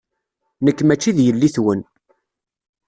Nekk maci d yelli-twen.